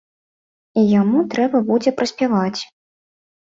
І яму трэба будзе праспяваць.